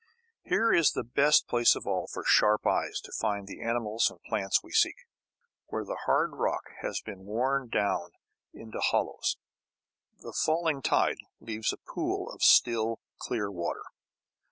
Here is the best place of all for sharp eyes to find the animals and plants we seek. Where the hard rock has been worn down into hollows, the falling tide leaves a pool of still, clear water.